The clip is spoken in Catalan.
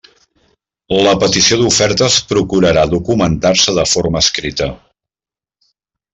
La petició d'ofertes procurarà documentar-se de forma escrita.